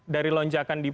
dari lonjakan di